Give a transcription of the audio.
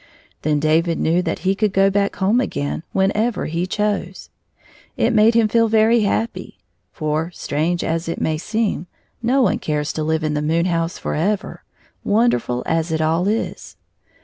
Then David knew that he could go back home again whenever he chose. It made him feel very happy, for, strange as it may sound, no one cares to live in the moon house forever, wonderfiil as it all is.